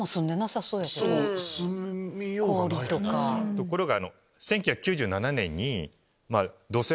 ところが。